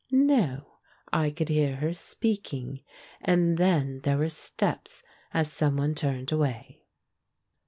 ... No, I could hear her speaking; and then there were steps, as some one turned away.